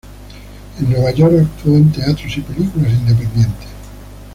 En Nueva York actuó en teatros y películas independientes.